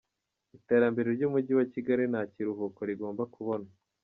Iterambere ry’Umujyi wa Kigali nta kiruhuko rigomba kubonwa